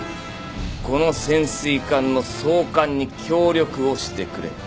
この潜水艦の操艦に協力をしてくれ。